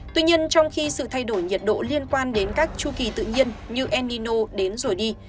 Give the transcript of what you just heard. tuy nhiên trong khi sự thay đổi nhiệt độ liên quan đến các chu kỳ tự nhiên như el nino đến rồi đi